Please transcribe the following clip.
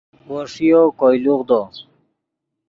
وو ݰیو کوئے لوغدو